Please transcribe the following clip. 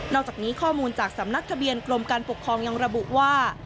อกจากนี้ข้อมูลจากสำนักทะเบียนกรมการปกครองยังระบุว่า